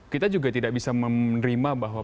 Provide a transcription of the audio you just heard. kita juga tidak bisa menerima bahwa